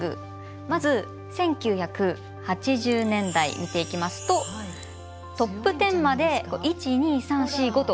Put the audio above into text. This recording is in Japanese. まず１９８０年代見ていきますとトップテンまで１２３４５と。